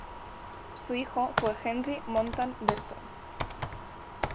Su hijo fue Henri Montan Berton.